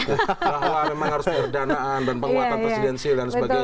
alhamdulillah memang harus penyerdanaan dan penguatan presidensil dan sebagainya